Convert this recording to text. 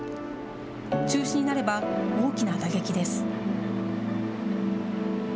中止になれば、大きな打撃です。